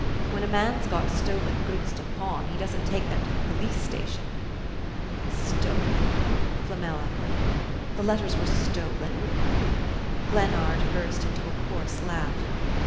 When a man's got stolen goods to pawn he doesn't take them to the police station." "Stolen?" Flamel echoed. "The letters were stolen?" Glennard burst into a coarse laugh.